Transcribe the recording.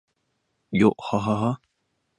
日本で初めて、女性総理大臣が誕生した。